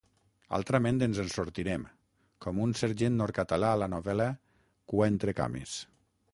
Altrament, ens en sortirem, com un sergent nord-català a la novel·la, “cuaentrecames”.